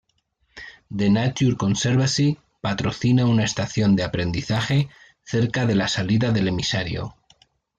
The Nature Conservancy patrocina una estación de aprendizaje cerca de la salida del emisario.